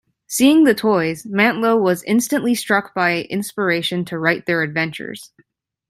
Seeing the toys, Mantlo was instantly struck by inspiration to write their adventures.